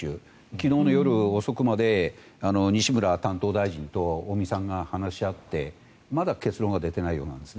昨日の夜遅くまで西村担当大臣と尾身さんが話し合ってまだ結論は出ていないようです。